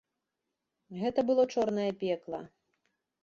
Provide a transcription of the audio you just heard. Гэта было чорнае пекла.